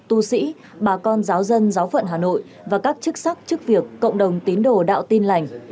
tu sĩ bà con giáo dân giáo phận hà nội và các chức sắc chức việc cộng đồng tín đồ đạo tin lành